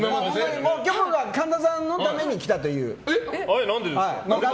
今日は神田さんのために来たという。